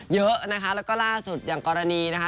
เยอะนะคะแล้วก็ล่าสุดอย่างกรณีนะคะ